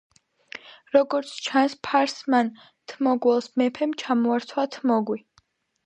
როგორც ჩანს, ფარსმან თმოგველს მეფემ ჩამოართვა თმოგვი.